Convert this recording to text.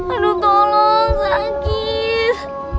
aduh tolong sakit